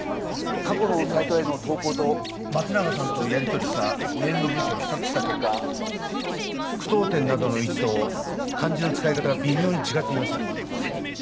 過去のサイトへの投稿と松永さんとやりとりしたメールの文章を比較した結果句読点などの位置と漢字の使い方が微妙に違っていました。